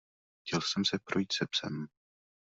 Chtěl jsem se projít se psem.